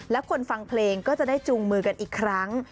และคนฟังเพลงก็จะได้จูงมือกันอีกครั้ง